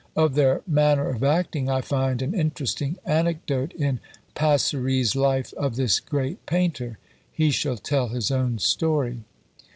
Of their manner of acting I find an interesting anecdote in Passeri's life of this great painter; he shall tell his own story.